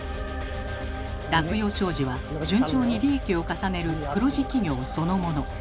落葉商事は順調に利益を重ねる黒字企業そのもの。